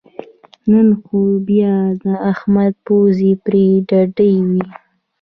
نن خو بیا د احمد پوزې پرې ډډې وې